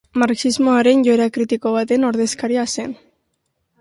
Marxismoaren joera kritiko baten ordezkari zen.